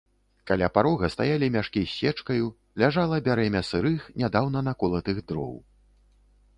Каля парога стаялі мяшкі з сечкаю, ляжала бярэмя сырых, нядаўна наколатых дроў.